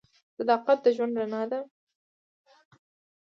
• صداقت د ژوند رڼا ده.